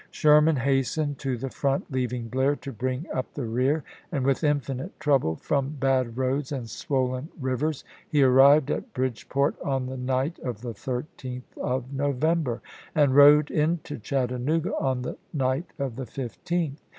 Sherman hastened to the front, leaving Blaii' to bring up the rear, and with infinite trouble from bad roads and swollen rivers he arrived at Bridgeport on the night of the 13th 1863. of November, and rode into Chattanooga on the night of the 15th.